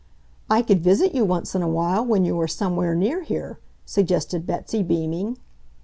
"I could visit you once in a while, when you are somewhere near here," suggested Betsy, beaming.